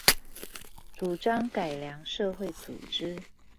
主張改良社會組織